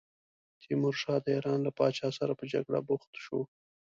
تیمورشاه د ایران له پاچا سره په جګړه بوخت شو.